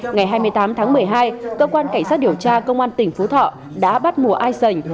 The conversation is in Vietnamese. ngày hai mươi tám tháng một mươi hai cơ quan cảnh sát điều tra công an tỉnh phú thọ đã bắt mùa ai sảnh